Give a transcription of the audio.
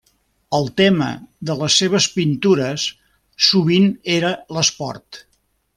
El tema de les seves pintures sovint era l'esport.